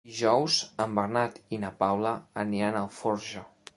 Dijous en Bernat i na Paula aniran a Alforja.